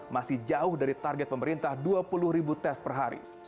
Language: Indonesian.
masih jauh dari target pemerintah dua puluh ribu tes per hari